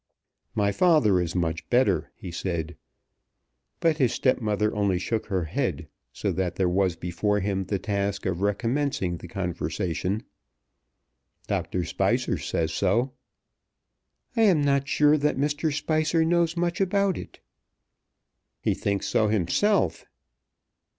"My father is much better," he said; but his stepmother only shook her head, so that there was before him the task of recommencing the conversation. "Dr. Spicer says so." "I am not sure that Mr. Spicer knows much about it." "He thinks so himself."